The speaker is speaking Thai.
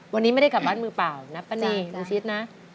วันนี้ไม่ได้กลับบ้านมือเปล่านะป้านีลุงชิดนะ